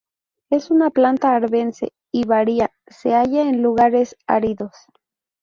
Es una planta arvense y viaria, se halla en lugares áridos.